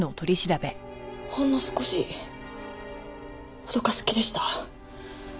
ほんの少し脅かす気でした。